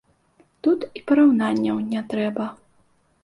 Тут і параўнанняў не трэба.